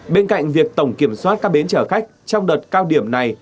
bên cạnh việc tổng kiểm soát các bến chở khách trong đợt cao điểm này